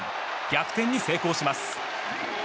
逆転に成功します。